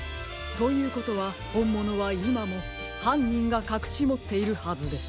ということはほんものはいまもはんにんがかくしもっているはずです。